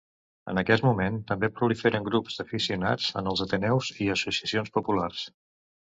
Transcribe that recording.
En aquest moment, també proliferen grups d'aficionats en els ateneus i associacions populars.